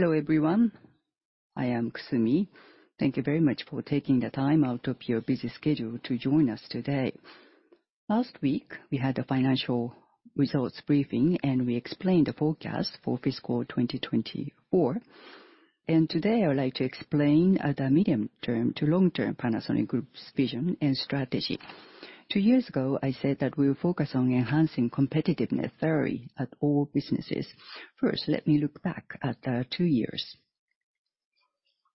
Hello everyone, I am Kusumi. Thank you very much for taking the time out of your busy schedule to join us today. Last week we had a financial results briefing, and we explained the forecast for fiscal 2024. Today I'd like to explain the medium-term to long-term Panasonic Group's vision and strategy. Two years ago I said that we would focus on enhancing competitiveness at all businesses. First, let me look back at the two years.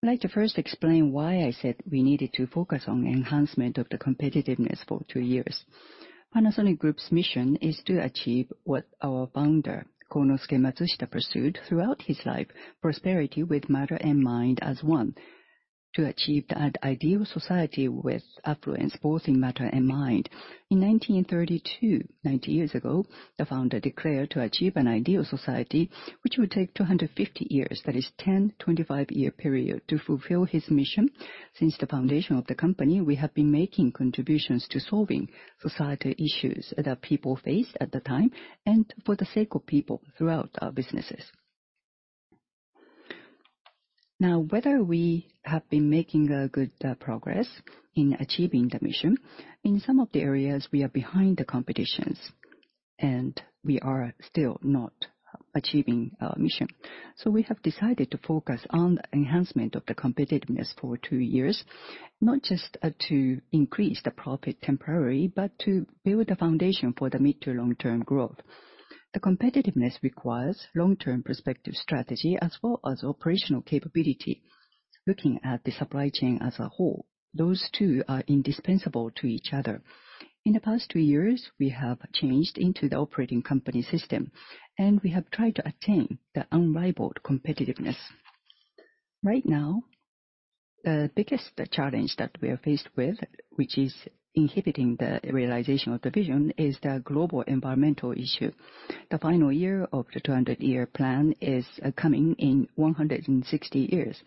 I'd like to first explain why I said we needed to focus on enhancement of the competitiveness for two years. Panasonic Group's mission is to achieve what our founder, Konosuke Matsushita, pursued throughout his life: prosperity with matter and mind as one. To achieve that ideal society with affluence both in matter and mind. In 1932, 90 years ago, the founder declared to achieve an ideal society which would take 250 years, that is, a 10-25 year period, to fulfill his mission. Since the foundation of the company, we have been making contributions to solving societal issues that people faced at the time and for the sake of people throughout our businesses. Now, whether we have been making good progress in achieving the mission, in some of the areas we are behind the competitions, and we are still not achieving our mission. We have decided to focus on the enhancement of the competitiveness for two years, not just to increase the profit temporarily, but to build a foundation for the mid- to long-term growth. The competitiveness requires long-term prospective strategy as well as operational capability, looking at the supply chain as a whole. Those two are indispensable to each other. In the past two years, we have changed into the operating company system, and we have tried to attain the unrivaled competitiveness. Right now, the biggest challenge that we are faced with, which is inhibiting the realization of the vision, is the global environmental issue. The final year of the 200-year plan is coming in 160 years.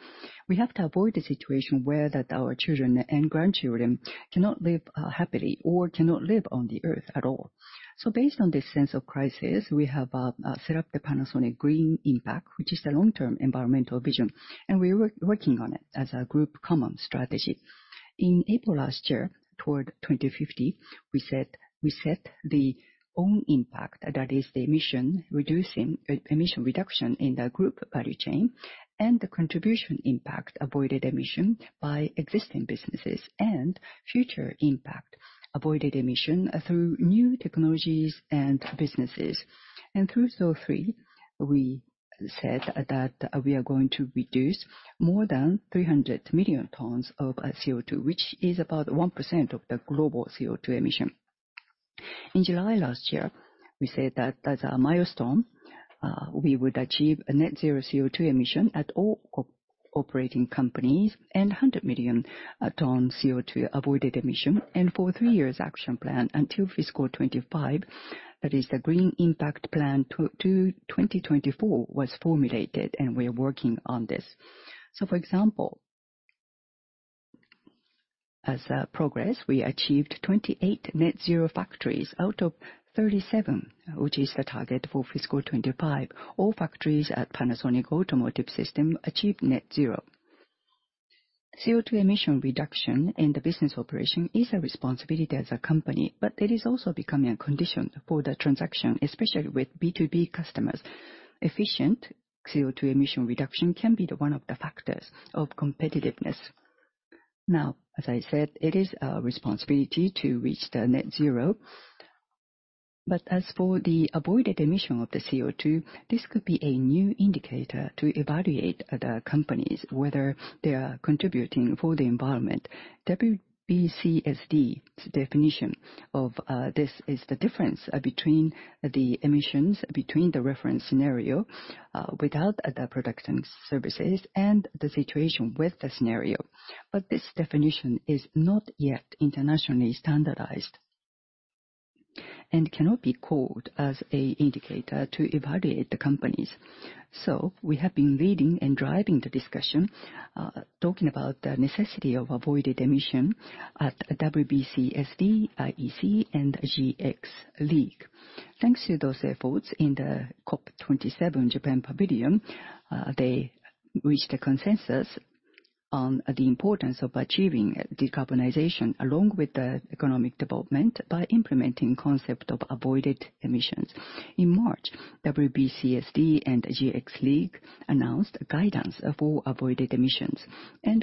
We have to avoid a situation where our children and grandchildren cannot live happily or cannot live on the earth at all. Based on this sense of crisis, we have set up the Panasonic Green Impact, which is the long-term environmental vision, and we are working on it as a group common strategy. In April last year, toward 2050, we set the own impact, that is, the emission reduction in the group value chain, and the contribution impact avoided emission by existing businesses, and future impact avoided emission through new technologies and businesses. Through those three, we said that we are going to reduce more than 300 million tons of CO2, which is about 1% of the global CO2 emission. In July last year, we said that as a milestone, we would achieve a net zero CO2 emission at all operating companies and 100 million tons CO2 avoided emission. For three years action plan until fiscal 2025, that is, the Green Impact Plan to 2024 was formulated, and we are working on this. For example, as progress, we achieved 28 net zero factories out of 37, which is the target for fiscal 2025. All factories at Panasonic Automotive Systems achieved net zero. CO2 emission reduction in the business operation is a responsibility as a company, but it is also becoming a condition for the transaction, especially with B2B customers. Efficient CO2 emission reduction can be one of the factors of competitiveness. Now, as I said, it is a responsibility to reach net zero. As for the avoided emission of the CO2, this could be a new indicator to evaluate the companies whether they are contributing for the environment. WBCSD's definition of this is the difference between the emissions between the reference scenario without the production services and the situation with the scenario. This definition is not yet internationally standardized and cannot be called as an indicator to evaluate the companies. We have been leading and driving the discussion, talking about the necessity of avoided emission at WBCSD, IEC, and GX League. Thanks to those efforts in the COP27 Japan Pavilion, they reached a consensus on the importance of achieving decarbonization along with economic development by implementing the concept of avoided emissions. In March, WBCSD and GX League announced guidance for avoided emissions.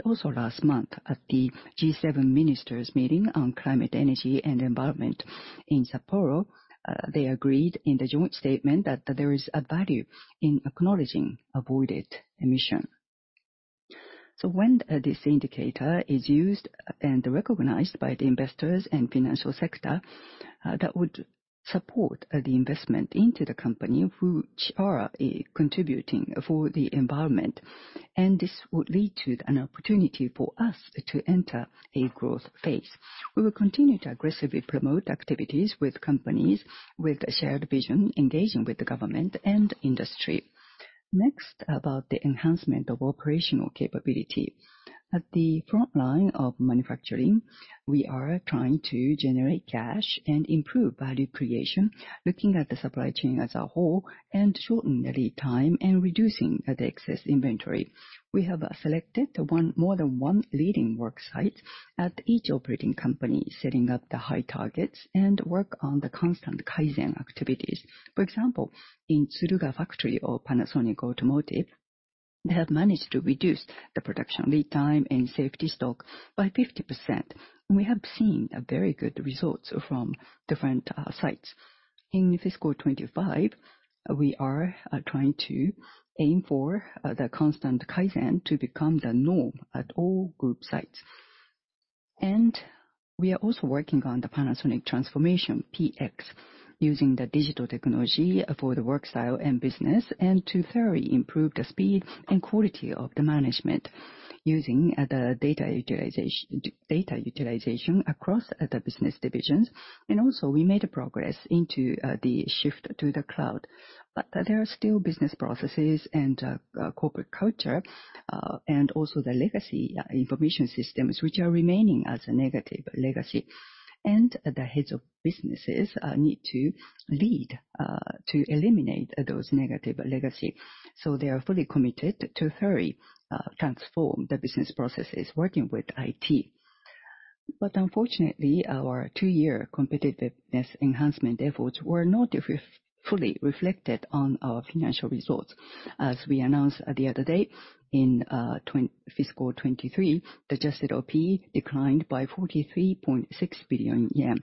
Also last month, at the G7 ministers' meeting on climate, energy, and environment in Sapporo, they agreed in the joint statement that there is a value in acknowledging avoided emission. When this indicator is used and recognized by the investors and financial sector, that would support the investment into the company which are contributing for the environment. This would lead to an opportunity for us to enter a growth phase. We will continue to aggressively promote activities with companies with a shared vision, engaging with the government and industry. Next, about the enhancement of operational capability. At the front line of manufacturing, we are trying to generate cash and improve value creation, looking at the supply chain as a whole and shortening the lead time and reducing the excess inventory. We have selected more than one leading work site at each operating company, setting up the high targets and work on the constant Kaizen activities. For example, in Tsuruga Factory or Panasonic Automotive, they have managed to reduce the production lead time and safety stock by 50%. We have seen very good results from different sites. In fiscal 2025, we are trying to aim for the constant Kaizen to become the norm at all group sites. We are also working on the Panasonic transformation PX, using digital technology for the work style and business, and to further improve the speed and quality of the management, using data utilization across the business divisions. We made progress into the shift to the cloud. There are still business processes and corporate culture, and also the legacy information systems, which are remaining as a negative legacy. The heads of businesses need to lead to eliminate those negative legacy. They are fully committed to further transform the business processes working with IT. Unfortunately, our two-year competitiveness enhancement efforts were not fully reflected on our financial results. As we announced the other day in fiscal 2023, adjusted OPE declined by 43.6 billion yen.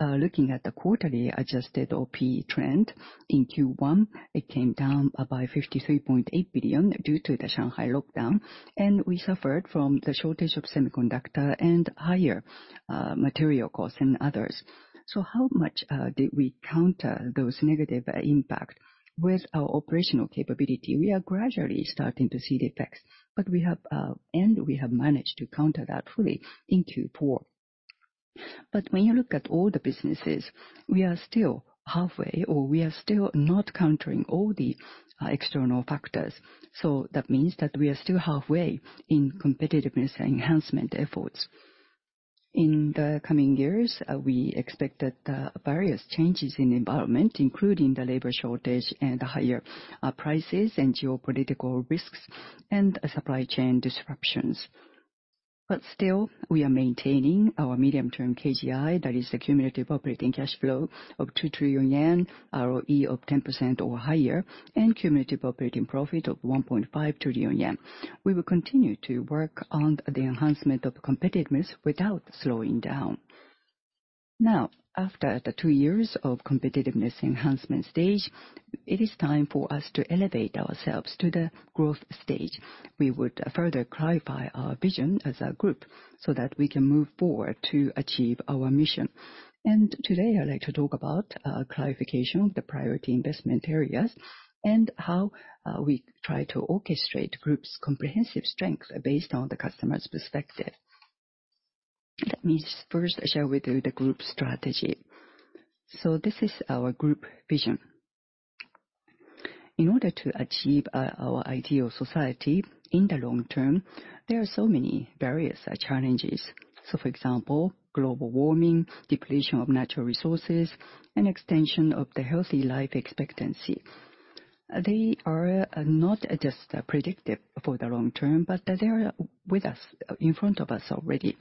Looking at the quarterly adjusted OpEx trend in Q1, it came down by 53.8 billion due to the Shanghai lockdown. We suffered from the shortage of semiconductors and higher material costs and others. How much did we counter those negative impacts with our operational capability? We are gradually starting to see the effects, but we have managed to counter that fully in Q4. When you look at all the businesses, we are still halfway, or we are still not countering all the external factors. That means that we are still halfway in competitiveness enhancement efforts. In the coming years, we expected various changes in the environment, including the labor shortage, higher prices, geopolitical risks, and supply chain disruptions. Still, we are maintaining our medium-term KGI, that is, cumulative operating cash flow of 2 trillion yen, ROE of 10% or higher, and cumulative operating profit of 1.5 trillion yen. We will continue to work on the enhancement of competitiveness without slowing down. Now, after the two years of competitiveness enhancement stage, it is time for us to elevate ourselves to the growth stage. We would further clarify our vision as a group so that we can move forward to achieve our mission. Today I'd like to talk about clarification of the priority investment areas and how we try to orchestrate the group's comprehensive strengths based on the customer's perspective. Let me first share with you the group strategy. This is our group vision. In order to achieve our ideal society in the long term, there are so many various challenges. For example, global warming, depletion of natural resources, and extension of the healthy life expectancy. They are not just predictive for the long term, but they are with us, in front of us already.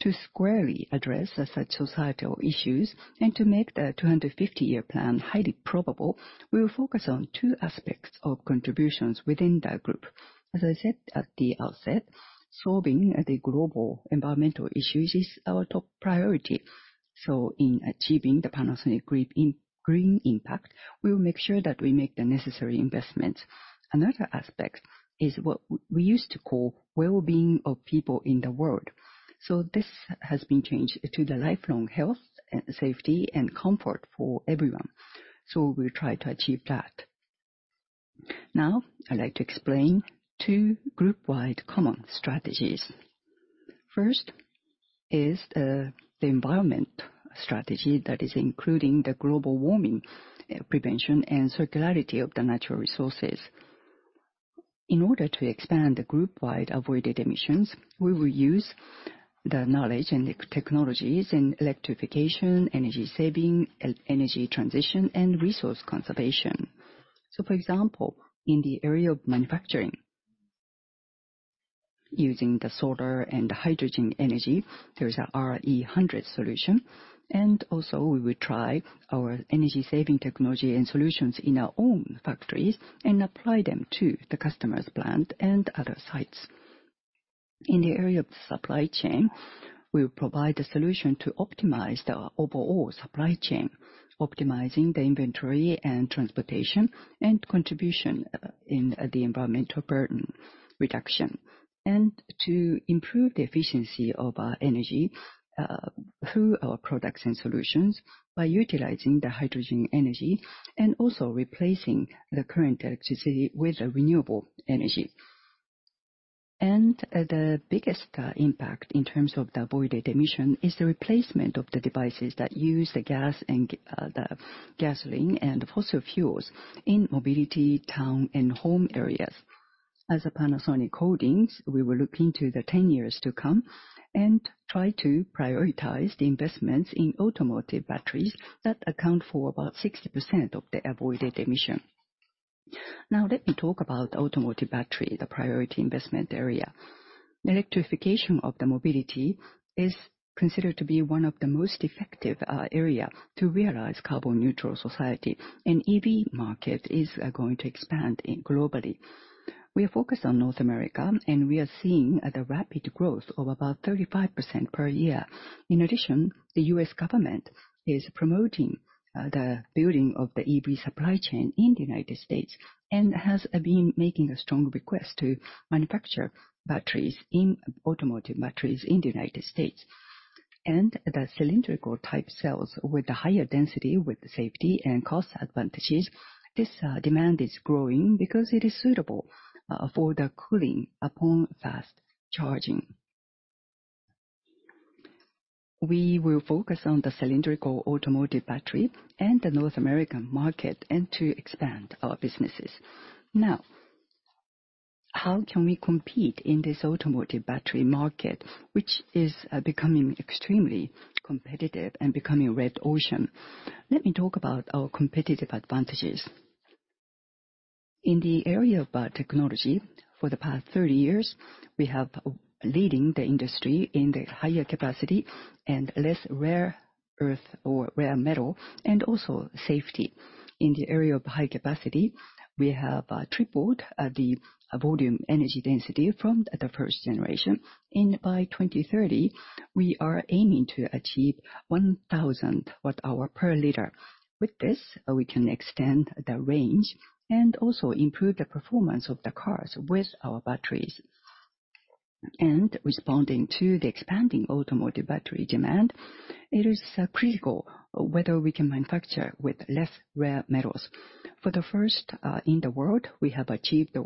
To squarely address such societal issues and to make the 250-year plan highly probable, we will focus on two aspects of contributions within that group. As I said at the outset, solving the global environmental issues is our top priority. In achieving the Panasonic Green Impact, we will make sure that we make the necessary investments. Another aspect is what we used to call well-being of people in the world. This has been changed to the lifelong health, safety, and comfort for everyone. We will try to achieve that. Now, I'd like to explain two group-wide common strategies. First is the environment strategy that is including the global warming prevention and circularity of the natural resources. In order to expand the group-wide avoided emissions, we will use the knowledge and technologies in electrification, energy saving, energy transition, and resource conservation. For example, in the area of manufacturing, using the solar and hydrogen energy, there is an RE100 solution. We will try our energy saving technology and solutions in our own factories and apply them to the customer's plant and other sites. In the area of the supply chain, we will provide a solution to optimize the overall supply chain, optimizing the inventory and transportation and contribution in the environmental burden reduction. To improve the efficiency of our energy through our products and solutions by utilizing the hydrogen energy and also replacing the current electricity with renewable energy. The biggest impact in terms of the avoided emission is the replacement of the devices that use the gas and the gasoline and fossil fuels in mobility, town, and home areas. As a Panasonic Holdings, we will look into the 10 years to come and try to prioritize the investments in automotive batteries that account for about 60% of the avoided emission. Let me talk about automotive battery, the priority investment area. Electrification of the mobility is considered to be one of the most effective areas to realize carbon neutral society. EV market is going to expand globally. We are focused on North America, and we are seeing the rapid growth of about 35% per year. In addition, the U.S. government is promoting the building of the EV supply chain in the United States and has been making a strong request to manufacture batteries in automotive batteries in the United States. The cylindrical type cells with the higher density with the safety and cost advantages, this demand is growing because it is suitable for the cooling upon fast charging. We will focus on the cylindrical automotive battery and the North American market and to expand our businesses. Now, how can we compete in this automotive battery market, which is becoming extremely competitive and becoming a red ocean? Let me talk about our competitive advantages. In the area of technology, for the past 30 years, we have been leading the industry in the higher capacity and less rare earth or rare metal and also safety. In the area of high capacity, we have tripled the volume energy density from the first generation. By 2030, we are aiming to achieve 1,000 watt-hour per liter. With this, we can extend the range and also improve the performance of the cars with our batteries. Responding to the expanding automotive battery demand, it is critical whether we can manufacture with less rare metals. For the first in the world, we have achieved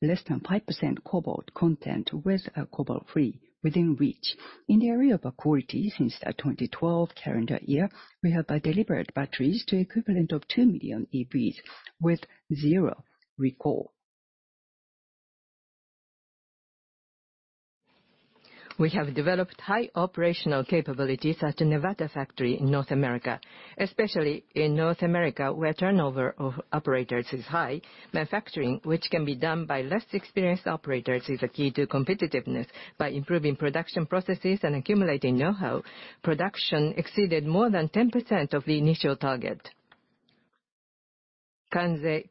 less than 5% cobalt content with cobalt-free within reach. In the area of quality, since 2012 calendar year, we have delivered batteries to the equivalent of 2 million EVs with zero recall. We have developed high operational capabilities at the Nevada factory in North America. Especially in North America, where turnover of operators is high, manufacturing, which can be done by less experienced operators, is a key to competitiveness. By improving production processes and accumulating know-how, production exceeded more than 10% of the initial target. Kaizen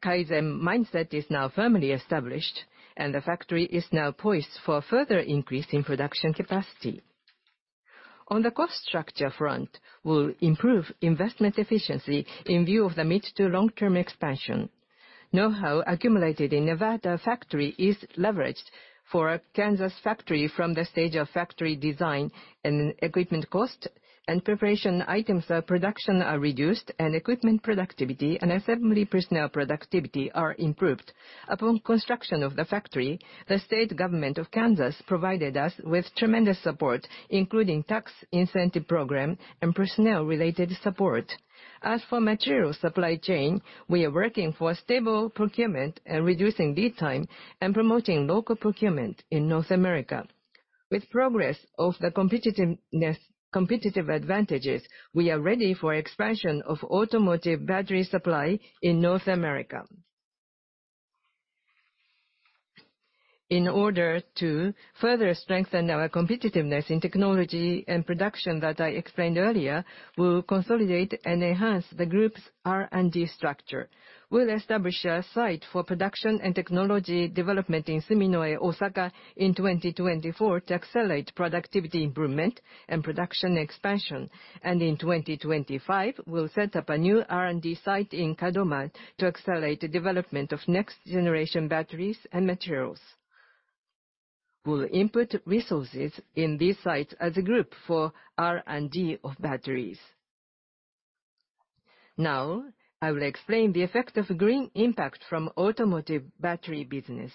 mindset is now firmly established, and the factory is now poised for further increase in production capacity. On the cost structure front, we'll improve investment efficiency in view of the mid to long-term expansion. Know-how accumulated in Nevada factory is leveraged for Kansas factory from the stage of factory design and equipment cost and preparation items of production are reduced, and equipment productivity and assembly personnel productivity are improved. Upon construction of the factory, the state government of Kansas provided us with tremendous support, including tax incentive programs and personnel-related support. As for material supply chain, we are working for stable procurement and reducing lead time and promoting local procurement in North America. With progress of the competitive advantages, we are ready for expansion of automotive battery supply in North America. In order to further strengthen our competitiveness in technology and production that I explained earlier, we will consolidate and enhance the group's R&D structure. We will establish a site for production and technology development in Suminoe, Osaka, in 2024 to accelerate productivity improvement and production expansion. In 2025, we will set up a new R&D site in Kadoma to accelerate the development of next-generation batteries and materials. We will input resources in these sites as a group for R&D of batteries. Now, I will explain the effect of green impact from automotive battery business.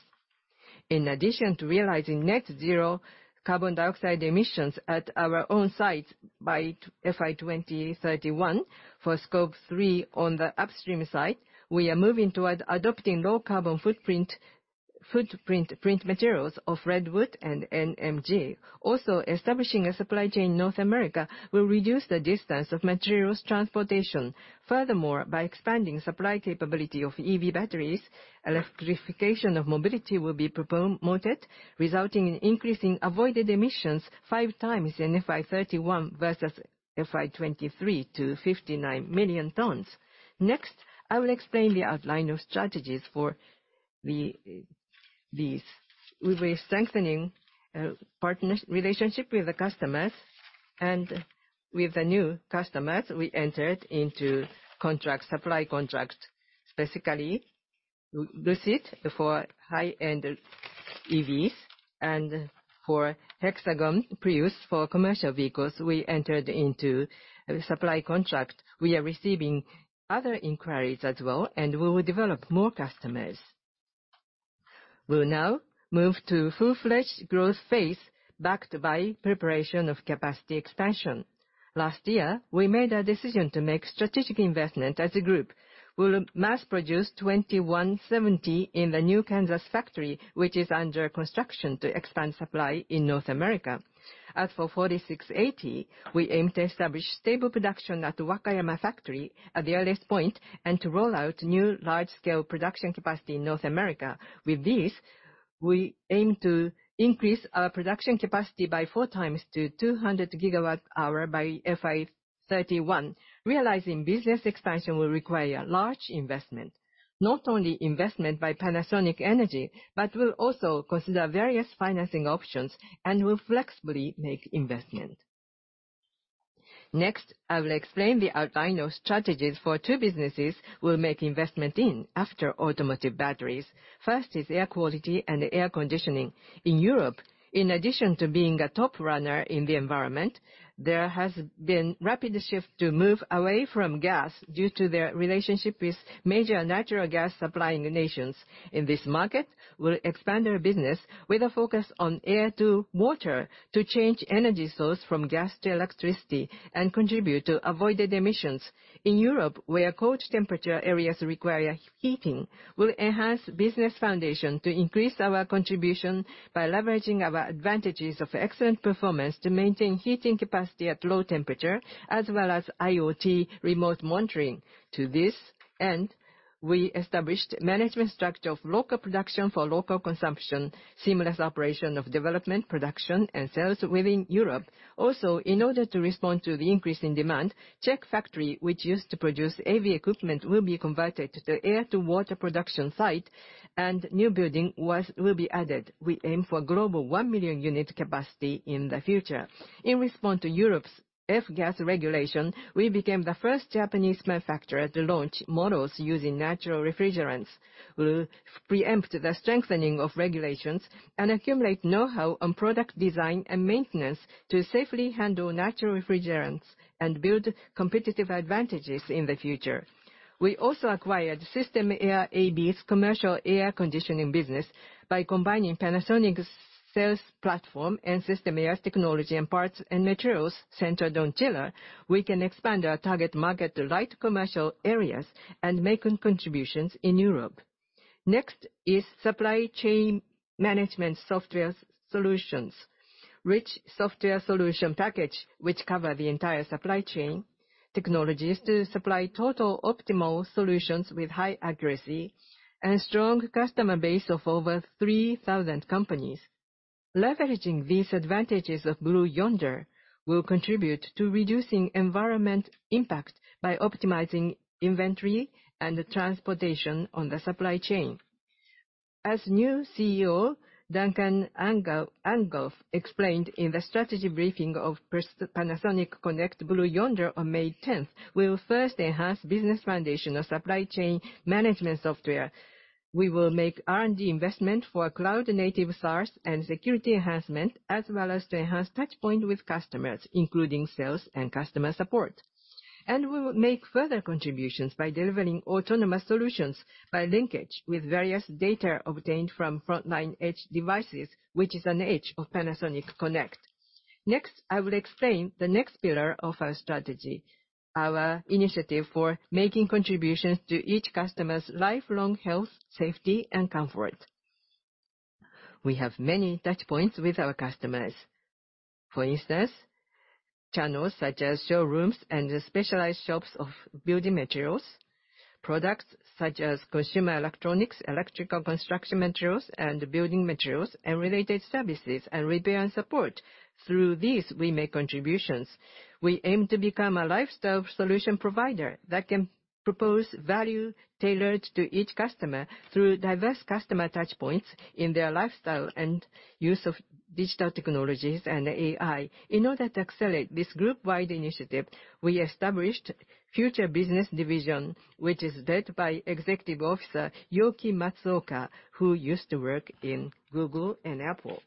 In addition to realizing net zero carbon dioxide emissions at our own sites by fiscal 2031 for scope three on the upstream site, we are moving toward adopting low carbon footprint materials of Redwood and NMG. Also, establishing a supply chain in North America will reduce the distance of materials transportation. Furthermore, by expanding supply capability of EV batteries, electrification of mobility will be promoted, resulting in increasing avoided emissions five times in FI 31 versus FI 23 to 59 million tons. Next, I will explain the outline of strategies for these. We will be strengthening our partner relationship with the customers, and with the new customers, we entered into contract supply contract. Specifically, Lucid for high-end EVs and for Hino Motors for commercial vehicles. We entered into a supply contract. We are receiving other inquiries as well, and we will develop more customers. We'll now move to full-fledged growth phase backed by preparation of capacity expansion. Last year, we made a decision to make strategic investment as a group. We'll mass produce 2170 in the new Kansas factory, which is under construction to expand supply in North America. As for 4680, we aim to establish stable production at the Wakayama factory at the earliest point and to roll out new large-scale production capacity in North America. With this, we aim to increase our production capacity by four times to 200 gigawatt-hour by FI 31. Realizing business expansion will require large investment, not only investment by Panasonic Energy, but we'll also consider various financing options and will flexibly make investment. Next, I will explain the outline of strategies for two businesses we'll make investment in after automotive batteries. First is air quality and air conditioning. In Europe, in addition to being a top runner in the environment, there has been a rapid shift to move away from gas due to their relationship with major natural gas supplying nations. In this market, we'll expand our business with a focus on air-to-water to change energy source from gas to electricity and contribute to avoided emissions. In Europe, where cold temperature areas require heating, we'll enhance business foundation to increase our contribution by leveraging our advantages of excellent performance to maintain heating capacity at low temperature, as well as IoT remote monitoring. To this, we established management structure of local production for local consumption, seamless operation of development, production, and sales within Europe. Also, in order to respond to the increase in demand, Czech factory, which used to produce heavy equipment, will be converted to the air-to-water production site, and a new building will be added. We aim for a global 1 million unit capacity in the future. In response to Europe's F-gas regulation, we became the first Japanese manufacturer to launch models using natural refrigerants. We'll preempt the strengthening of regulations and accumulate know-how on product design and maintenance to safely handle natural refrigerants and build competitive advantages in the future. We also acquired System Air AB's commercial air conditioning business. By combining Panasonic's sales platform and System Air AB's technology and parts and materials centered on chiller, we can expand our target market to light commercial areas and make contributions in Europe. Next is supply chain management software solutions, which software solution package which covers the entire supply chain technologies to supply total optimal solutions with high accuracy and a strong customer base of over 3,000 companies. Leveraging these advantages of Blue Yonder, we'll contribute to reducing environmental impact by optimizing inventory and transportation on the supply chain. As new CEO Duncan Engelf explained in the strategy briefing of Panasonic Connect Blue Yonder on May 10th, we'll first enhance the business foundation of supply chain management software. We will make R&D investment for cloud-native SaaS and security enhancement, as well as to enhance touchpoint with customers, including sales and customer support. We will make further contributions by delivering autonomous solutions by linkage with various data obtained from frontline edge devices, which is an edge of Panasonic Connect. Next, I will explain the next pillar of our strategy, our initiative for making contributions to each customer's lifelong health, safety, and comfort. We have many touchpoints with our customers. For instance, channels such as showrooms and specialized shops of building materials, products such as consumer electronics, electrical construction materials, and building materials and related services, and repair and support. Through these, we make contributions. We aim to become a lifestyle solution provider that can propose value tailored to each customer through diverse customer touchpoints in their lifestyle and use of digital technologies and AI. In order to accelerate this group-wide initiative, we established a future business division, which is led by Executive Officer Yoki Matsuoka, who used to work in Google and Apple.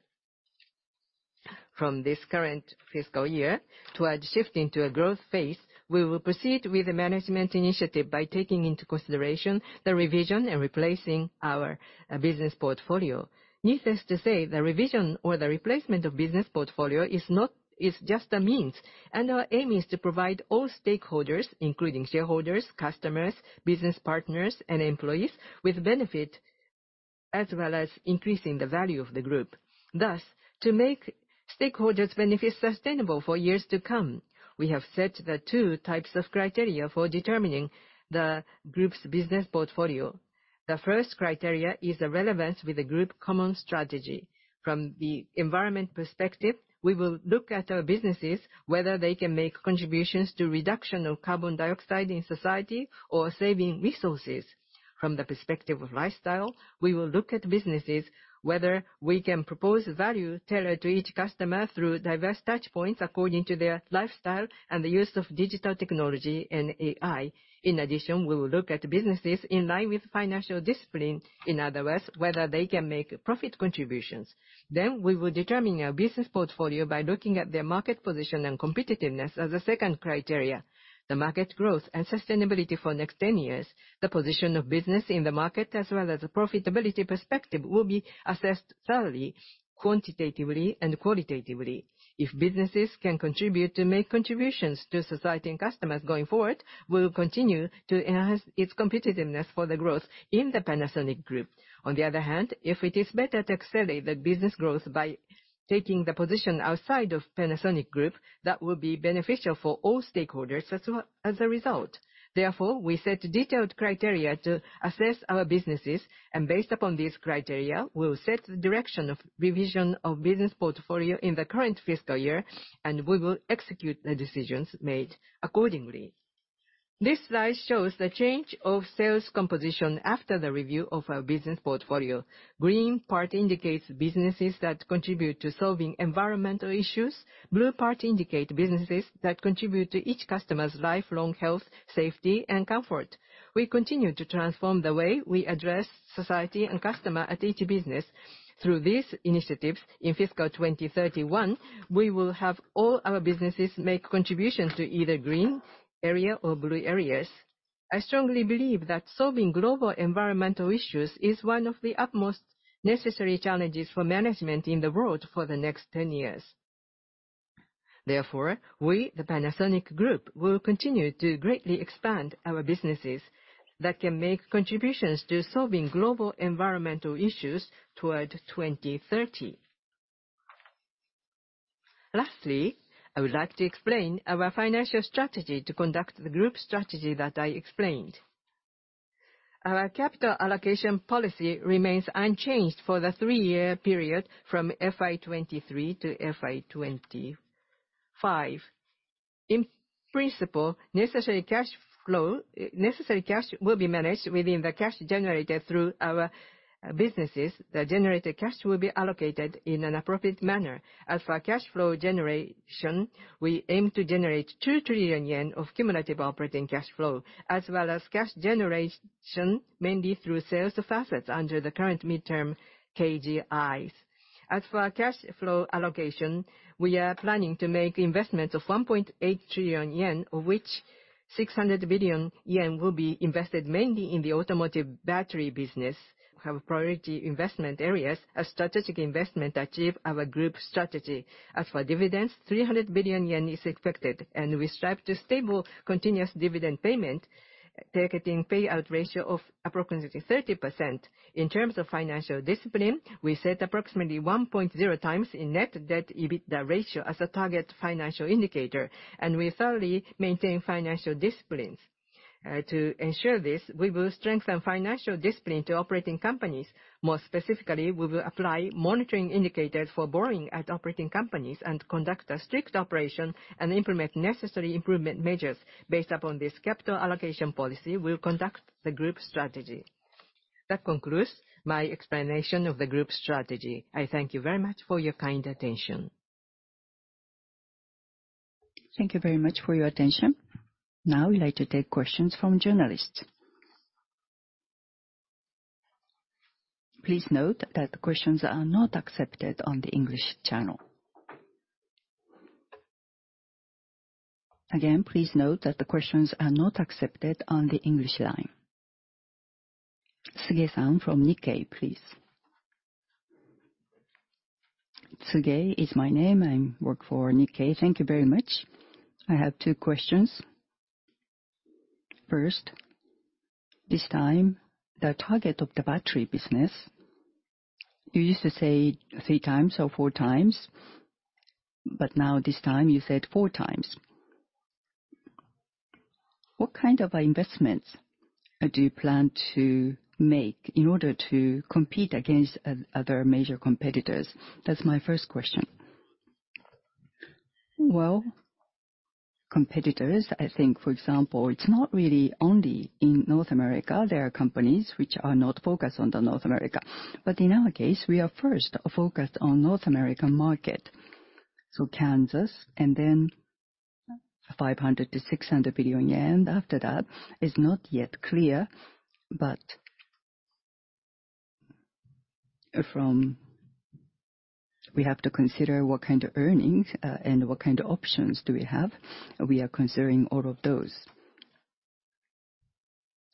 From this current fiscal year towards shifting to a growth phase, we will proceed with a management initiative by taking into consideration the revision and replacing our business portfolio. Needless to say, the revision or the replacement of the business portfolio is not just a means. Our aim is to provide all stakeholders, including shareholders, customers, business partners, and employees, with benefits, as well as increasing the value of the group. Thus, to make stakeholders' benefits sustainable for years to come, we have set the two types of criteria for determining the group's business portfolio. The first criteria is the relevance with the group common strategy. From the environment perspective, we will look at our businesses, whether they can make contributions to the reduction of carbon dioxide in society or saving resources. From the perspective of lifestyle, we will look at businesses, whether we can propose value tailored to each customer through diverse touchpoints according to their lifestyle and the use of digital technology and AI. In addition, we will look at businesses in line with financial discipline. In other words, whether they can make profit contributions. We will determine our business portfolio by looking at their market position and competitiveness as a second criteria. The market growth and sustainability for the next 10 years, the position of business in the market, as well as the profitability perspective, will be assessed thoroughly, quantitatively, and qualitatively. If businesses can contribute to make contributions to society and customers going forward, we will continue to enhance its competitiveness for the growth in the Panasonic Group. On the other hand, if it is better to accelerate the business growth by taking the position outside of the Panasonic Group, that will be beneficial for all stakeholders as a result. Therefore, we set detailed criteria to assess our businesses, and based upon these criteria, we will set the direction of the revision of the business portfolio in the current fiscal year, and we will execute the decisions made accordingly. This slide shows the change of sales composition after the review of our business portfolio. The green part indicates businesses that contribute to solving environmental issues. The blue part indicates businesses that contribute to each customer's lifelong health, safety, and comfort. We continue to transform the way we address society and customer at each business. Through these initiatives, in fiscal 2031, we will have all our businesses make contributions to either green area or blue areas. I strongly believe that solving global environmental issues is one of the utmost necessary challenges for management in the world for the next 10 years. Therefore, we, the Panasonic Group, will continue to greatly expand our businesses that can make contributions to solving global environmental issues toward 2030. Lastly, I would like to explain our financial strategy to conduct the group strategy that I explained. Our capital allocation policy remains unchanged for the three-year period from FI 23 to FI 25. In principle, necessary cash flow will be managed within the cash generated through our businesses. The generated cash will be allocated in an appropriate manner. As for cash flow generation, we aim to generate 2 trillion yen of cumulative operating cash flow, as well as cash generation mainly through sales facets under the current midterm KGIs. As for cash flow allocation, we are planning to make investments of 1.8 trillion yen, of which 600 billion yen will be invested mainly in the automotive battery business. We have priority investment areas as strategic investment to achieve our group strategy. As for dividends, 300 billion yen is expected, and we strive to stable continuous dividend payment, targeting payout ratio of approximately 30%. In terms of financial discipline, we set approximately 1.0 times in net debt/EBITDA ratio as a target financial indicator, and we thoroughly maintain financial disciplines. To ensure this, we will strengthen financial discipline to operating companies. More specifically, we will apply monitoring indicators for borrowing at operating companies and conduct a strict operation and implement necessary improvement measures. Based upon this capital allocation policy, we will conduct the group strategy. That concludes my explanation of the group strategy. I thank you very much for your kind attention. Thank you very much for your attention. Now, I'd like to take questions from journalists. Please note that the questions are not accepted on the English channel. Again, please note that the questions are not accepted on the English line. Tsugey-san from Nikkei, please. Tsugey is my name. I work for Nikkei. Thank you very much. I have two questions. First, this time, the target of the battery business, you used to say three times or four times, but now this time you said four times. What kind of investments do you plan to make in order to compete against other major competitors? That's my first question. Competitors, I think, for example, it's not really only in North America. There are companies which are not focused on North America. In our case, we are first focused on the North American market. Kansas, and then 500 billion-600 billion yen after that is not yet clear. From, we have to consider what kind of earnings and what kind of options do we have. We are considering all of those.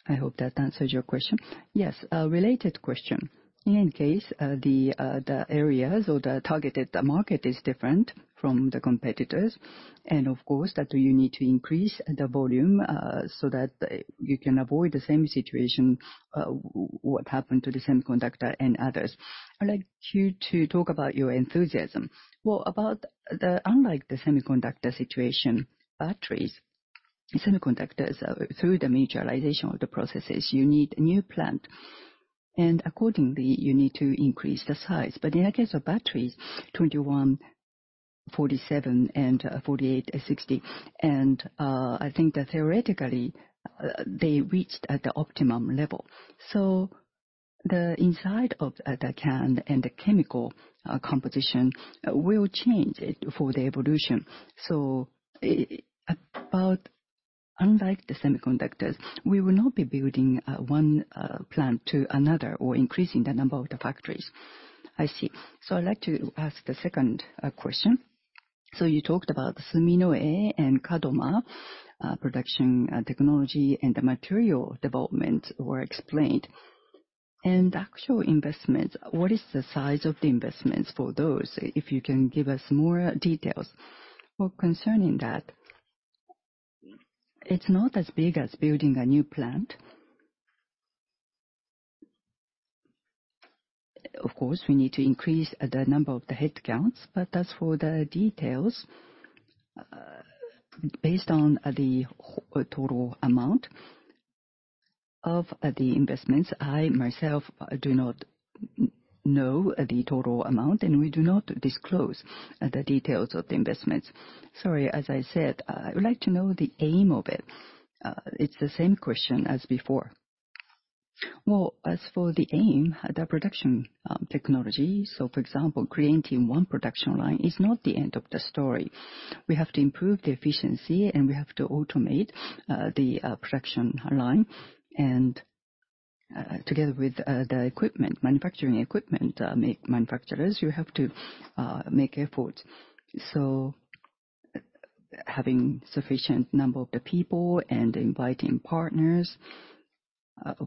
I hope that answers your question. Yes, related question. In any case, the areas or the targeted market is different from the competitors. Of course, you need to increase the volume so that you can avoid the same situation that happened to the semiconductor and others. I'd like you to talk about your enthusiasm. Unlike the semiconductor situation, batteries, semiconductors, through the mutualization of the processes, you need a new plant. Accordingly, you need to increase the size. In the case of batteries, 2170 and 4680, I think that theoretically, they reached at the optimum level. The inside of the can and the chemical composition will change for the evolution. Unlike the semiconductors, we will not be building one plant to another or increasing the number of the factories. I see. I'd like to ask the second question. You talked about Suminoe and Kadoma production technology and the material development were explained. Actual investments, what is the size of the investments for those? If you can give us more details concerning that, it's not as big as building a new plant. Of course, we need to increase the number of the headcounts, but as for the details, based on the total amount of the investments, I myself do not know the total amount, and we do not disclose the details of the investments. Sorry, as I said, I would like to know the aim of it. It's the same question as before. As for the aim, the production technology, so for example, creating one production line is not the end of the story. We have to improve the efficiency, and we have to automate the production line. Together with the equipment, manufacturing equipment, manufacturers, you have to make efforts. Having a sufficient number of the people and inviting partners,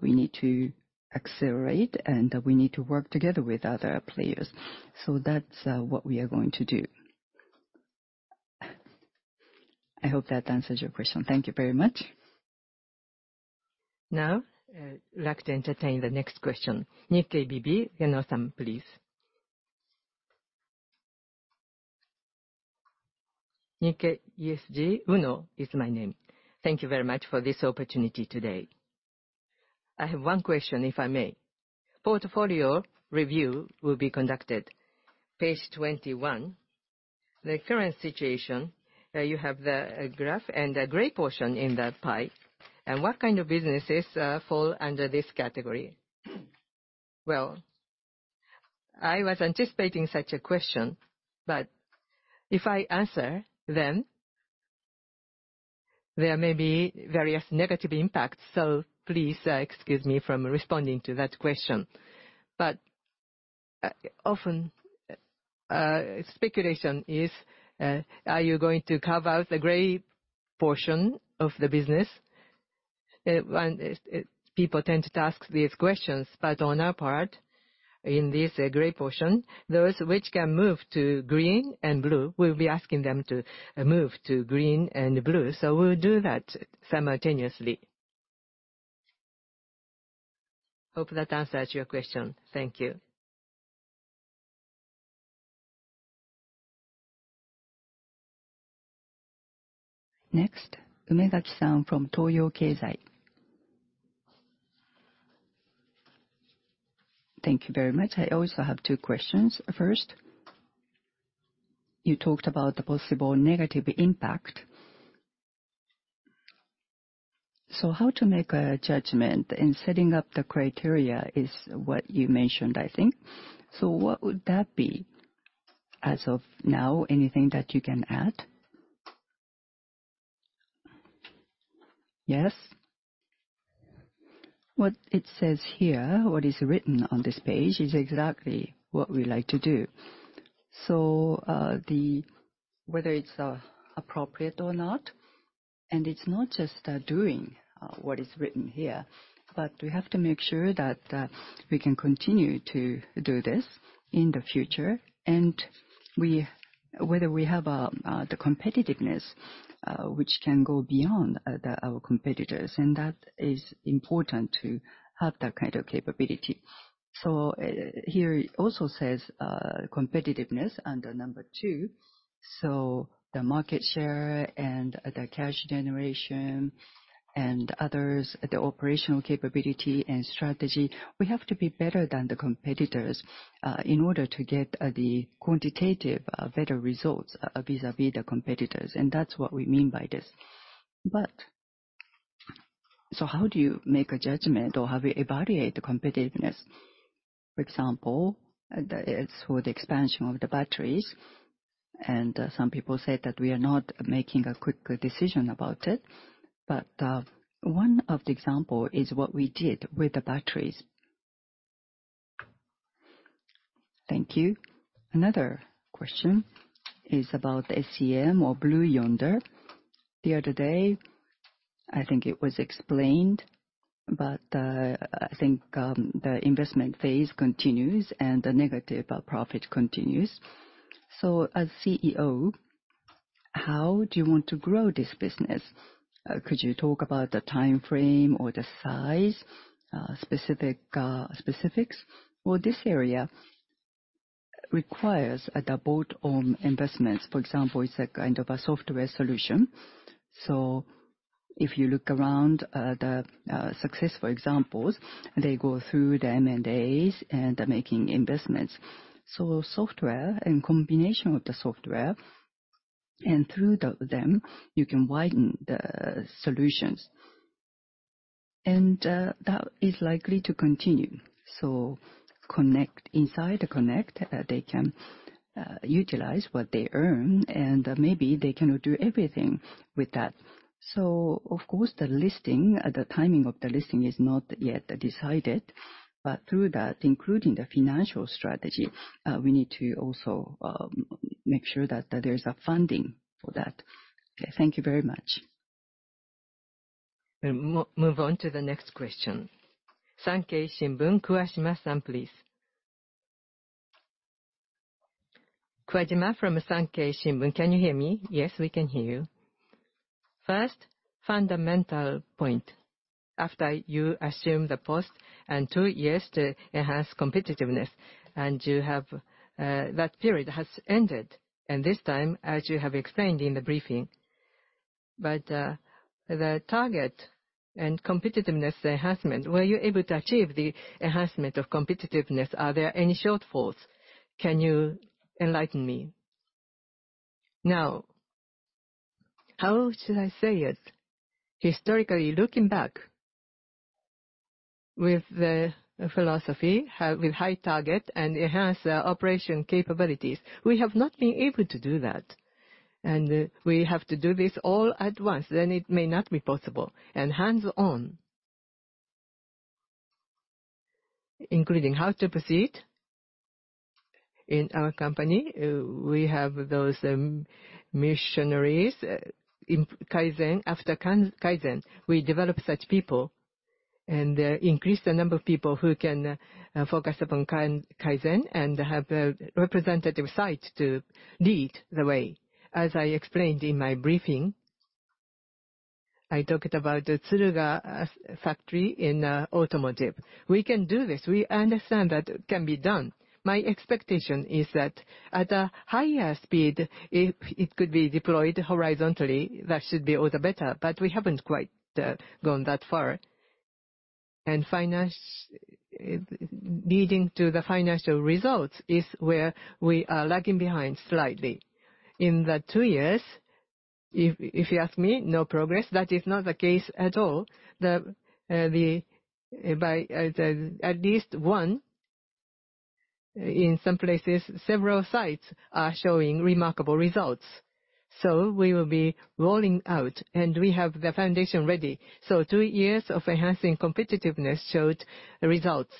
we need to accelerate, and we need to work together with other players. That's what we are going to do. I hope that answers your question. Thank you very much. Now, I'd like to entertain the next question. Nikkei BB, Yano-san, please. Nikkei USG Uno is my name. Thank you very much for this opportunity today. I have one question, if I may. Portfolio review will be conducted. Page 21. The current situation, you have the graph and the gray portion in the pie. And what kind of businesses fall under this category? I was anticipating such a question, but if I answer them, there may be various negative impacts. Please excuse me from responding to that question. Often, speculation is, are you going to carve out the gray portion of the business? People tend to ask these questions, but on our part, in this gray portion, those which can move to green and blue, we'll be asking them to move to green and blue. We'll do that simultaneously. Hope that answers your question. Thank you. Next, Umeda Chisan from Toyo Keizai. Thank you very much. I also have two questions. First, you talked about the possible negative impact. How to make a judgment in setting up the criteria is what you mentioned, I think. What would that be as of now? Anything that you can add? Yes. What it says here, what is written on this page, is exactly what we like to do. Whether it is appropriate or not, and it is not just doing what is written here, but we have to make sure that we can continue to do this in the future, and whether we have the competitiveness which can go beyond our competitors. That is important to have that kind of capability. Here also says competitiveness under number two. The market share and the cash generation and others, the operational capability and strategy, we have to be better than the competitors in order to get the quantitative better results vis-à-vis the competitors. That is what we mean by this. How do you make a judgment or how do you evaluate the competitiveness? For example, it is for the expansion of the batteries. Some people said that we are not making a quick decision about it. One of the examples is what we did with the batteries. Thank you. Another question is about SCM or Blue Yonder. The other day, I think it was explained, but I think the investment phase continues and the negative profit continues. As CEO, how do you want to grow this business? Could you talk about the time frame or the size specifics? This area requires a board of investments. For example, it's a kind of a software solution. If you look around the successful examples, they go through the M&As and they're making investments. Software and combination of the software, and through them, you can widen the solutions. That is likely to continue. Inside the connect, they can utilize what they earn, and maybe they can do everything with that. Of course, the listing, the timing of the listing is not yet decided, but through that, including the financial strategy, we need to also make sure that there's a funding for that. Thank you very much. We'll move on to the next question. Sankei Shimbun, Kuwajima-san, please. Kuwajima from Sankei Shimbun. Can you hear me? Yes, we can hear you. First, fundamental point. After you assume the post and two years to enhance competitiveness, and that period has ended. This time, as you have explained in the briefingd, but the target and competitiveness enhancement, were you able to achieve the enhancement of competitiveness? Are there any shortfalls? Can you enlighten me? Now, how should I say it? Historically, looking back with the philosophy, with high target and enhanced operation capabilities, we have not been able to do that. We have to do this all at once. It may not be possible. Hands-on, including how to proceed in our company. We have those missionaries in Kaizen. After Kaizen, we develop such people and increase the number of people who can focus upon Kaizen and have a representative site to lead the way. As I explained in my briefing, I talked about the Tsuruga factory in automotive. We can do this. We understand that it can be done. My expectation is that at a higher speed, if it could be deployed horizontally, that should be all the better. We have not quite gone that far. Leading to the financial results is where we are lagging behind slightly. In the two years, if you ask me, no progress. That is not the case at all. At least one, in some places, several sites are showing remarkable results. We will be rolling out, and we have the foundation ready. Two years of enhancing competitiveness showed results.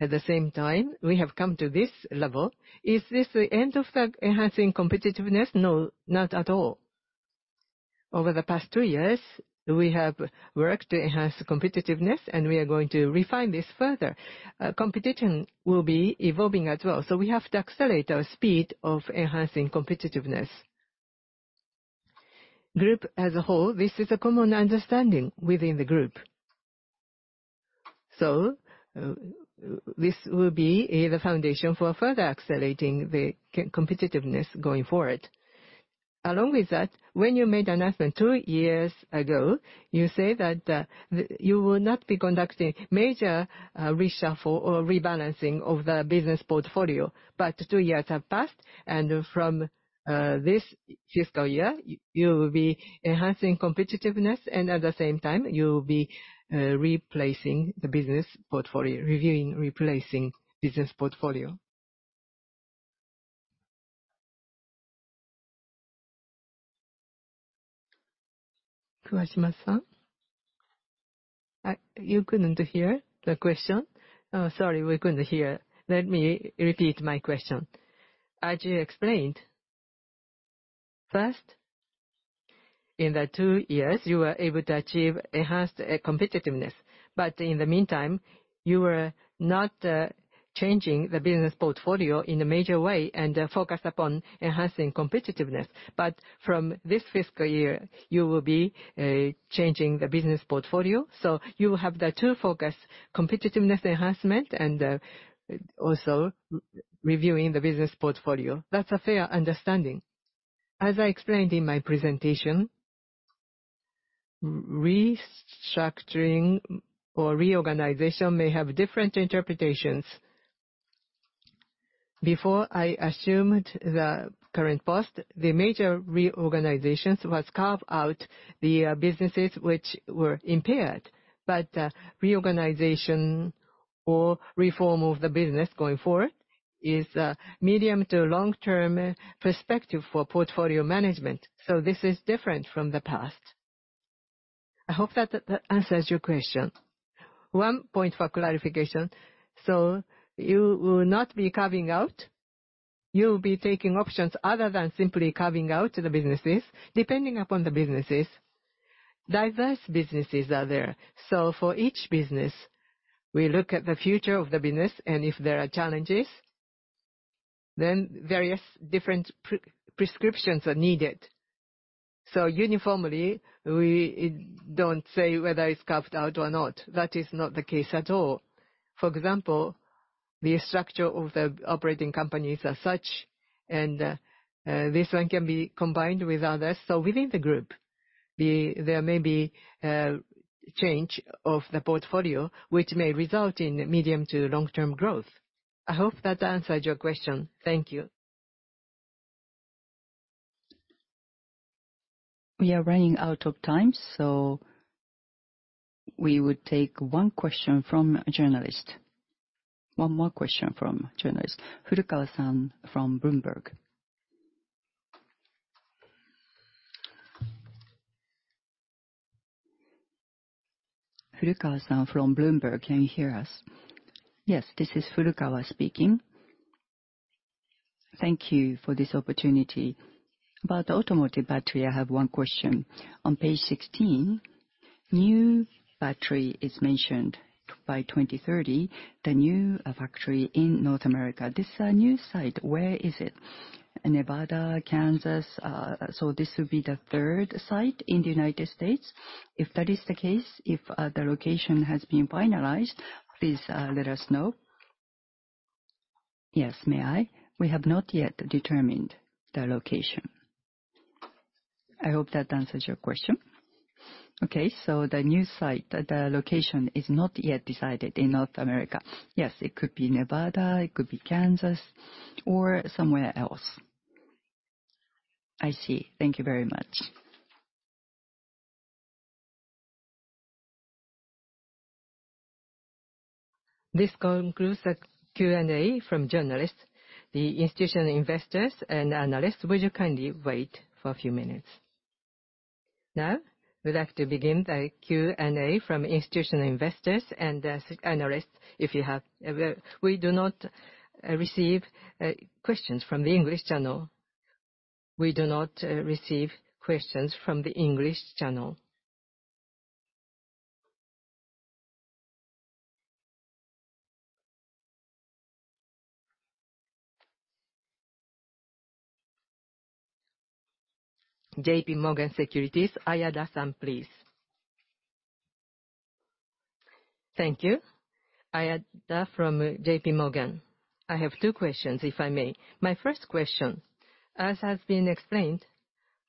At the same time, we have come to this level. Is this the end of the enhancing competitiveness? No, not at all. Over the past two years, we have worked to enhance competitiveness, and we are going to refine this further. Competition will be evolving as well. We have to accelerate our speed of enhancing competitiveness. Group as a whole, this is a common understanding within the group. This will be the foundation for further accelerating the competitiveness going forward. Along with that, when you made announcement two years ago, you said that you will not be conducting major reshuffle or rebalancing of the business portfolio. Two years have passed, and from this fiscal year, you will be enhancing competitiveness, and at the same time, you will be replacing the business portfolio, reviewing, replacing business portfolio. Kuwajima-san, you could not hear the question. Sorry, we could not hear. Let me repeat my question. As you explained, first, in the two years, you were able to achieve enhanced competitiveness. In the meantime, you were not changing the business portfolio in a major way and focused upon enhancing competitiveness. From this fiscal year, you will be changing the business portfolio. You will have the two focus: competitiveness enhancement and also reviewing the business portfolio. That's a fair understanding. As I explained in my presentation, restructuring or reorganization may have different interpretations. Before I assumed the current post, the major reorganizations were carved out the businesses which were impaired. Reorganization or reform of the business going forward is a medium to long-term perspective for portfolio management. This is different from the past. I hope that answers your question. One point for clarification. You will not be carving out. You will be taking options other than simply carving out the businesses, depending upon the businesses. Diverse businesses are there. For each business, we look at the future of the business, and if there are challenges, then various different prescriptions are needed. Uniformly, we do not say whether it is carved out or not. That is not the case at all. For example, the structure of the operating companies are such, and this one can be combined with others. Within the group, there may be a change of the portfolio, which may result in medium to long-term growth. I hope that answers your question. Thank you. We are running out of time, so we would take one question from a journalist. One more question from a journalist. Furukawa-san from Bloomberg. Furukawa-san from Bloomberg, can you hear us? Yes, this is Furukawa speaking. Thank you for this opportunity. About the automotive battery, I have one question. On page 16, new battery is mentioned by 2030, the new factory in North America. This is a new site. Where is it? Nevada, Kansas. This would be the third site in the United States. If that is the case, if the location has been finalized, please let us know. Yes, may I? We have not yet determined the location. I hope that answers your question. Okay, the new site, the location is not yet decided in North America. Yes, it could be Nevada, it could be Kansas, or somewhere else. I see. Thank you very much. This concludes the Q&A from journalists, the institutional investors, and analysts. Would you kindly wait for a few minutes? Now, we'd like to begin the Q&A from institutional investors and analysts if you have. We do not receive questions from the English channel. We do not receive questions from the English channel. JP Morgan Securities, Ayada-san, please. Thank you. Ayada from JP Morgan. I have two questions, if I may. My first question, as has been explained,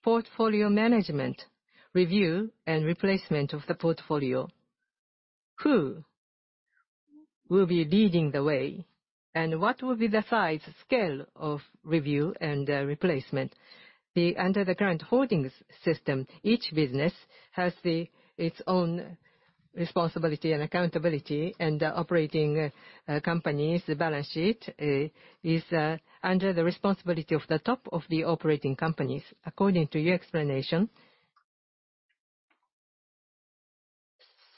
portfolio management, review, and replacement of the portfolio. Who will be leading the way, and what will be the size scale of review and replacement? Under the current holdings system, each business has its own responsibility and accountability, and the operating company's balance sheet is under the responsibility of the top of the operating companies. According to your explanation,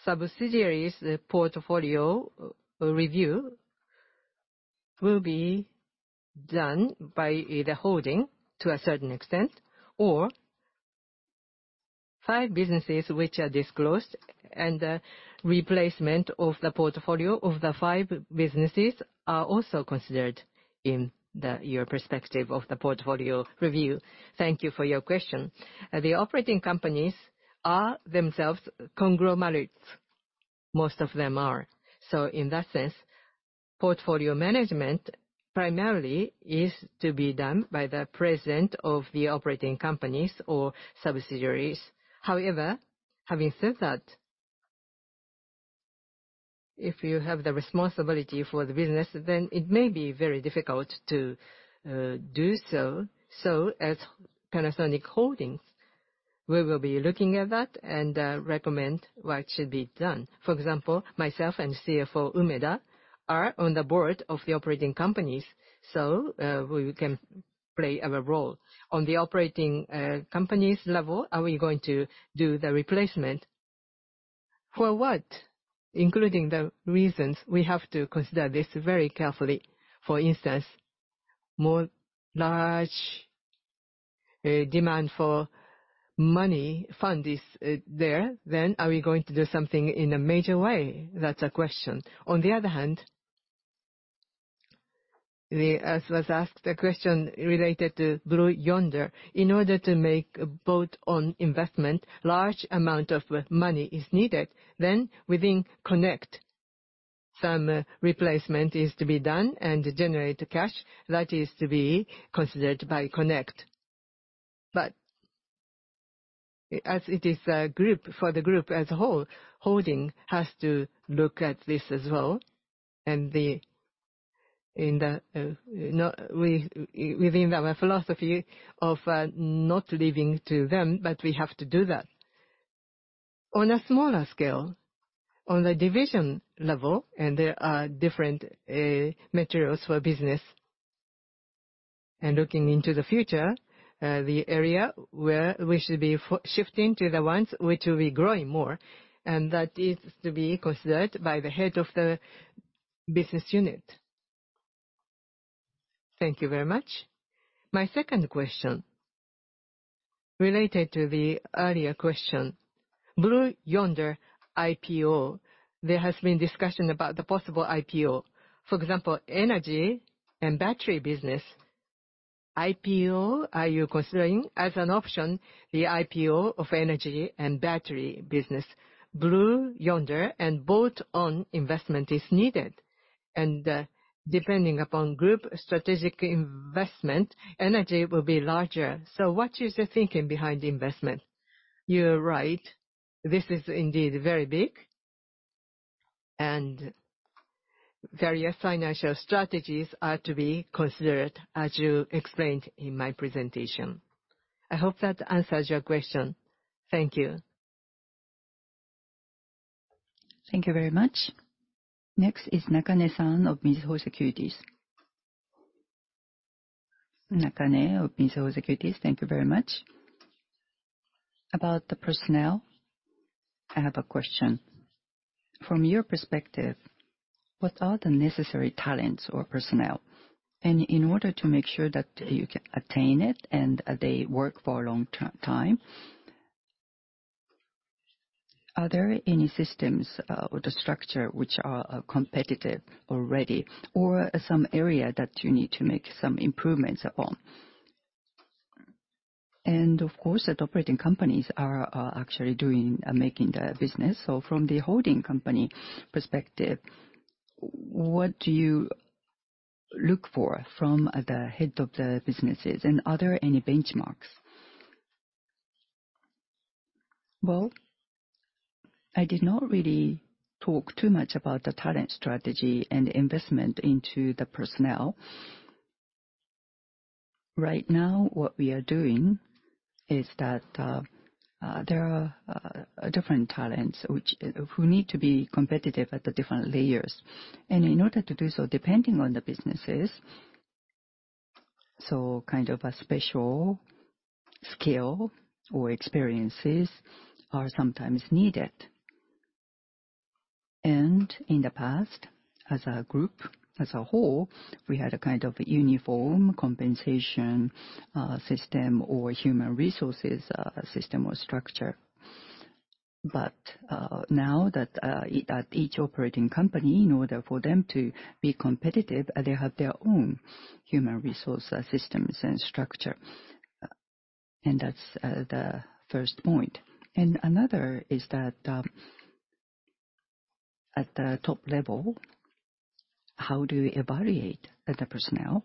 subsidiaries' portfolio review will be done by the holding to a certain extent, or five businesses which are disclosed, and the replacement of the portfolio of the five businesses are also considered in your perspective of the portfolio review. Thank you for your question. The operating companies are themselves conglomerates. Most of them are. In that sense, portfolio management primarily is to be done by the president of the operating companies or subsidiaries. However, having said that, if you have the responsibility for the business, then it may be very difficult to do so. As Panasonic Holdings, we will be looking at that and recommend what should be done. For example, myself and CFO Umeda are on the board of the operating companies, so we can play our role. On the operating company's level, are we going to do the replacement For what? including the reasons, we have to consider this very carefully. For instance, more large demand for money fund is there, then are we going to do something in a major way? That's a question. On the other hand, as was asked, the question related to Blue Yonder, in order to make a boat-on investment, a large amount of money is needed. Then within Connect, some replacement is to be done and generate cash. That is to be considered by Connect. As it is a group, for the group as a whole, Holdings has to look at this as well. Within our philosophy of not leaving to them, but we have to do that. On a smaller scale, on the division level, and there are different materials for business. Looking into the future, the area where we should be shifting to the ones which will be growing more, and that is to be considered by the head of the business unit. Thank you very much. My second question, related to the earlier question, Blue Yonder IPO, there has been discussion about the possible IPO. For example, energy and battery business. IPO, are you considering as an option the IPO of energy and battery business? Blue Yonder and boat-on investment is needed. Depending upon group strategic investment, energy will be larger. What is the thinking behind the investment? You're right. This is indeed very big. Various financial strategies are to be considered, as you explained in my presentation. I hope that answers your question. Thank you. Thank you very much. Next is Nakane-san of Mizuho Securities. Nakane of Mizuho Securities, thank you very much. About the personnel, I have a question. From your perspective, what are the necessary talents or personnel? In order to make sure that you can attain it and they work for a long time, are there any systems or the structure which are competitive already, or some area that you need to make some improvements upon? Of course, the operating companies are actually making the business. From the holding company perspective, what do you look for from the head of the businesses? Are there any benchmarks? I did not really talk too much about the talent strategy and investment into the personnel. Right now, what we are doing is that there are different talents who need to be competitive at the different layers. In order to do so, depending on the businesses, kind of a special skill or experiences are sometimes needed. In the past, as a group, as a whole, we had a kind of uniform compensation system or human resources system or structure. Now that each operating company, in order for them to be competitive, they have their own human resource systems and structure. That is the first point. Another is that at the top level, how do you evaluate the personnel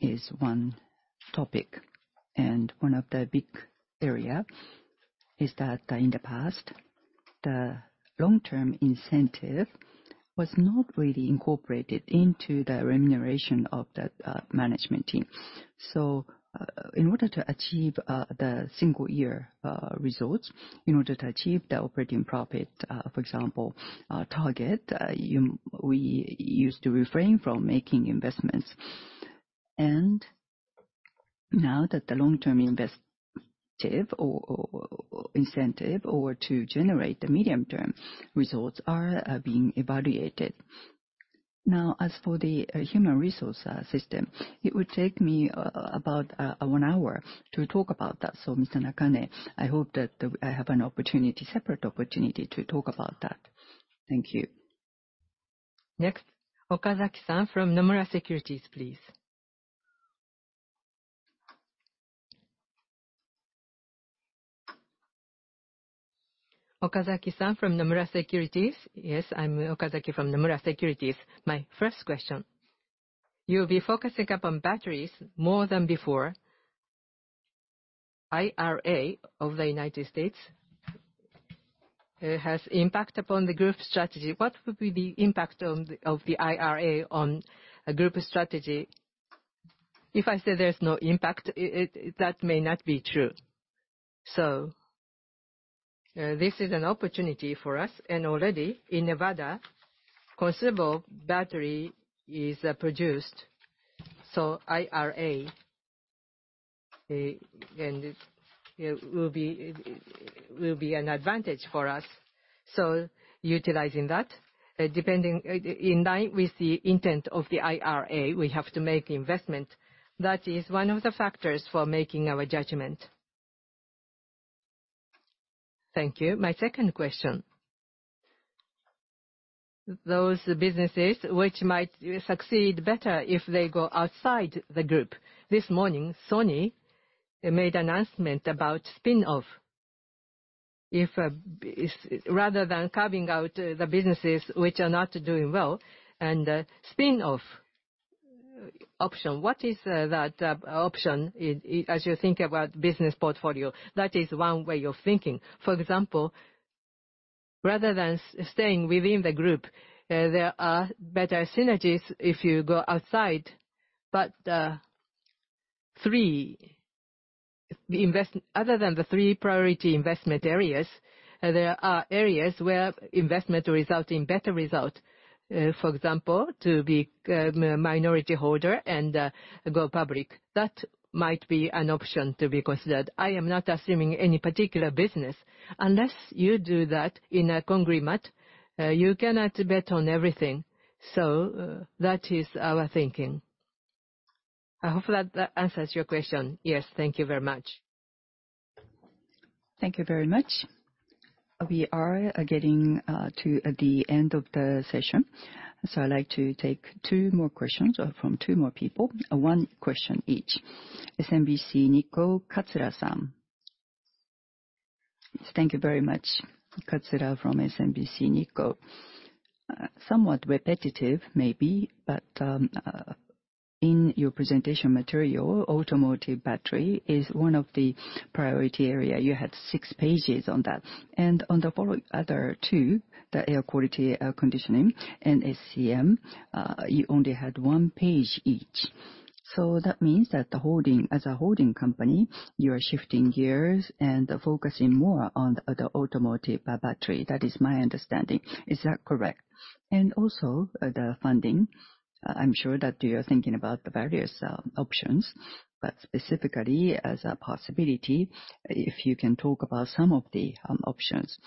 is one topic. One of the big areas is that in the past, the long-term incentive was not really incorporated into the remuneration of the management team. In order to achieve the single-year results, in order to achieve the operating profit, for example, target, we used to refrain from making investments. Now that the long-term incentive or to generate the medium-term results are being evaluated. As for the human resource system, it would take me about one hour to talk about that. Mr. Nakane, I hope that I have a separate opportunity to talk about that. Thank you. Next, Okazaki-san from Nomura Securities, please. Okazaki-san from Nomura Securities. Yes, I'm Okazaki from Nomura Securities. My first question. You'll be focusing upon batteries more than before. IRA of the United States. It has impact upon the group strategy. What would be the impact of the IRA on a group strategy? If I say there's no impact, that may not be true. This is an opportunity for us. Already in Nevada, considerable battery is produced. IRA will be an advantage for us. Utilizing that, in line with the intent of the IRA, we have to make investment. That is one of the factors for making our judgment. Thank you. My second question. Those businesses which might succeed better if they go outside the group. This morning, Sony made an announcement about spin-off. Rather than carving out the businesses which are not doing well and spin-off option, what is that option as you think about business portfolio? That is one way of thinking. For example, rather than staying within the group, there are better synergies if you go outside. Other than the three priority investment areas, there are areas where investment will result in better result. For example, to be a minority holder and go public. That might be an option to be considered. I am not assuming any particular business. Unless you do that in a conglomerate, you cannot bet on everything. That is our thinking. I hope that answers your question. Yes, thank you very much. Thank you very much. We are getting to the end of the session. I would like to take two more questions from two more people, one question each. SMBC Nikko, Katsura-san. Thank you very much, Katsura from SMBC Nikko. Somewhat repetitive, maybe, but in your presentation material, automotive battery is one of the priority areas. You had six pages on that. On the other two, the air quality, air conditioning, and SCM, you only had one page each. That means that as a holding company, you are shifting gears and focusing more on the automotive battery. That is my understanding. Is that correct? Also the funding, I'm sure that you're thinking about the various options, but specifically as a possibility if you can talk about some of the options.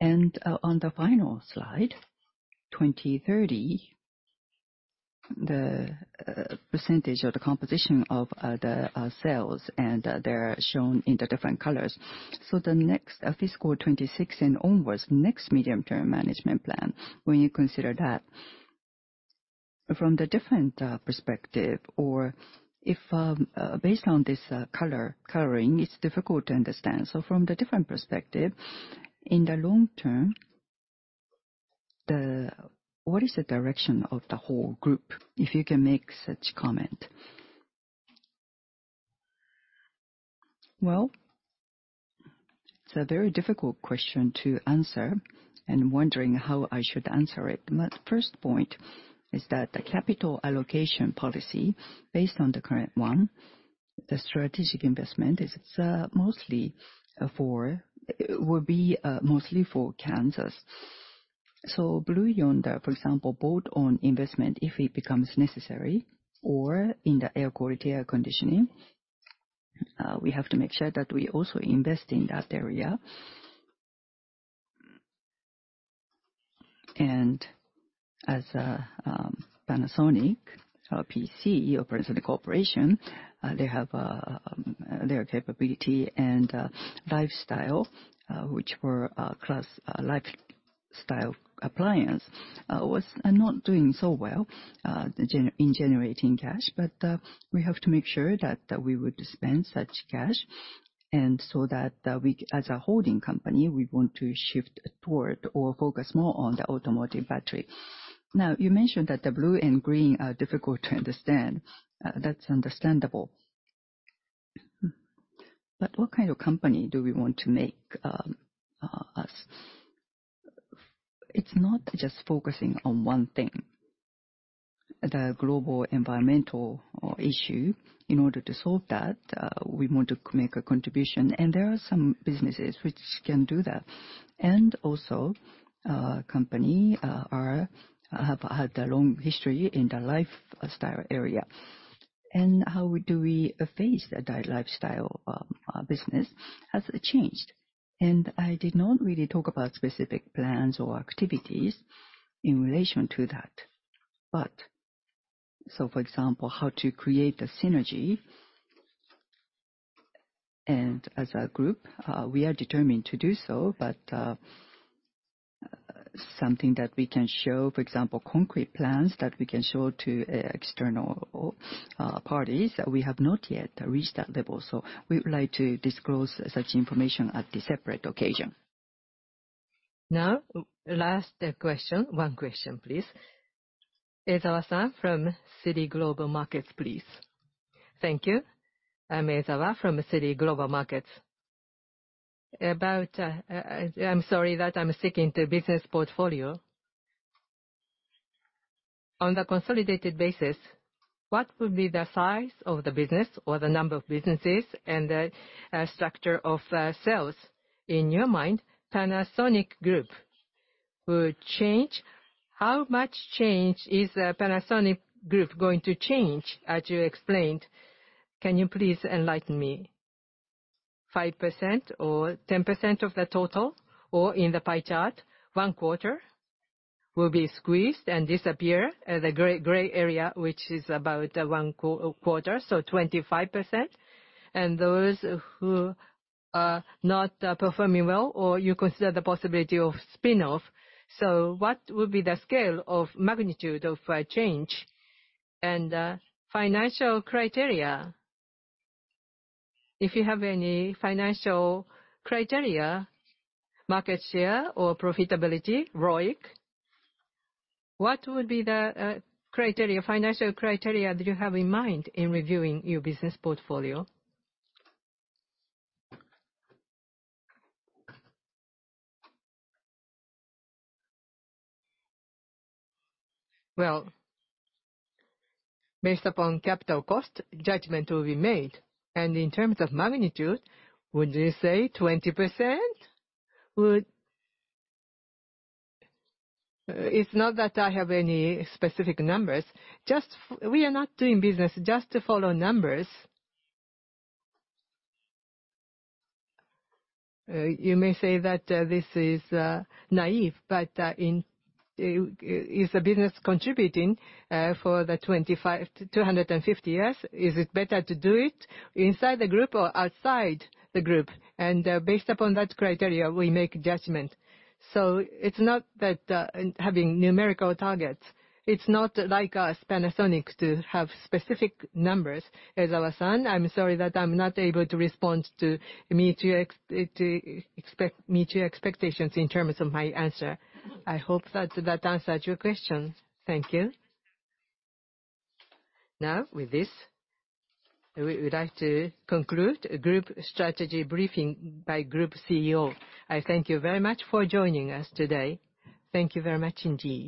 On the final slide, 2030, the percentage of the composition of the sales, and they're shown in the different colors. The next fiscal 26 and onwards, next medium-term management plan, when you consider that, from the different perspective, or based on this coloring, it's difficult to understand. From the different perspective, in the long term, what is the direction of the whole group, if you can make such a comment? It's a very difficult question to answer, and wondering how I should answer it. My first point is that the capital allocation policy, based on the current one, the strategic investment, it's mostly for. It will be mostly for Kansas. Blue Yonder, for example, boat-on investment, if it becomes necessary, or in the air quality, air conditioning, we have to make sure that we also invest in that area. As a Panasonic PC, or Panasonic Corporation, they have their capability and lifestyle, which were lifestyle appliance, was not doing so well in generating cash. We have to make sure that we would spend such cash, and so that as a holding company, we want to shift toward or focus more on the automotive battery. You mentioned that the blue and green are difficult to understand. That's understandable. What kind of company do we want to make? It's not just focusing on one thing, the global environmental issue. In order to solve that, we want to make a contribution. There are some businesses which can do that. Companies have had a long history in the lifestyle area. How do we face that lifestyle business has changed? I did not really talk about specific plans or activities in relation to that. For example, how to create a synergy. As a group, we are determined to do so, but something that we can show, for example, concrete plans that we can show to external parties, we have not yet reached that level. We would like to disclose such information at a separate occasion. Now, last question, one question, please. Ezawa-san from Citigroup Global Markets, please. Thank you. I'm Ezawa from Citigroup Global Markets. I'm sorry that I'm sticking to business portfolio. On the consolidated basis, what would be the size of the business or the number of businesses and the structure of sales in your mind? Panasonic Group would change. How much change is the Panasonic Group going to change, as you explained? Can you please enlighten me? 5% or 10% of the total, or in the pie chart, one quarter will be squeezed and disappear in the gray area, which is about one quarter, so 25%. And those who are not performing well, or you consider the possibility of spin-off. What would be the scale of magnitude of change and financial criteria? If you have any financial criteria, market share or profitability, ROIC, what would be the financial criteria that you have in mind in reviewing your business portfolio? Based upon capital cost, judgment will be made. In terms of magnitude, would you say 20%? It's not that I have any specific numbers. We are not doing business just to follow numbers. You may say that this is naive, but is the business contributing for the 250 years? Is it better to do it inside the group or outside the group? Based upon that criteria, we make judgment. It is not that having numerical targets. It is not like us, Panasonic, to have specific numbers. Ezawa-san, I'm sorry that I'm not able to respond to meet your expectations in terms of my answer. I hope that that answers your questions. Thank you. Now, with this, we would like to conclude a group strategy briefing by Group CEO. I thank you very much for joining us today. Thank you very much indeed.